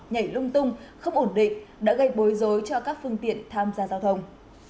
nhảy lung tung không ổn định đã gây bối rối cho các phương tiện tham gia giao thông